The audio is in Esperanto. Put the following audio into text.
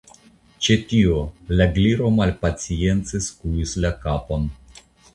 Ĉe tio, la Gliro malpacience skuis la kapon.